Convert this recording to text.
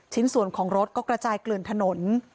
ชิ้นส่วนของรถก็กระจายเกลื่อนถนน